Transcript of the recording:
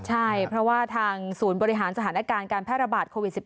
ใช่เพราะว่าทางศูนย์บริหารสถานการณ์การแพร่ระบาดโควิด๑๙